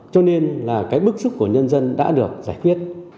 cho nên là cái bức xúc của nhân dân đã được giải quyết